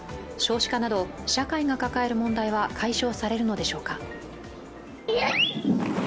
少子化など社会が抱える問題は解消されるのでしょうか。